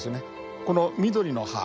この緑の葉